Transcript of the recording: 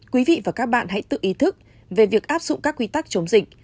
quý vị và các bạn hãy tự ý thức về việc áp dụng các quy tắc chống dịch